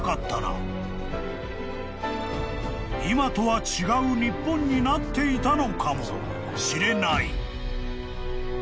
［今とは違う日本になっていたのかもしれない］